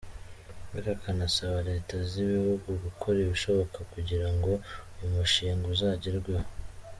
Ariko akanasaba Leta z’ibi bihugu gukora ibishoboka kugira ngo uyu mushinga uzagerweho.